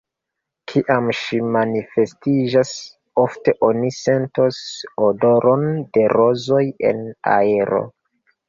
Kiam ŝi manifestiĝas, ofte oni sentas odoron de rozoj en aero.